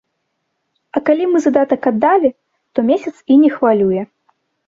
А калі мы задатак аддалі, то месяц, і не хвалюе.